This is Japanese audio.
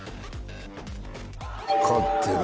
勝ってる。